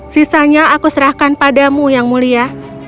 sisanya aku serahkan padamu yang mulia